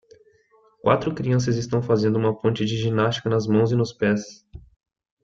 Quatro crianças estão fazendo uma ponte de ginástica nas mãos e nos pés.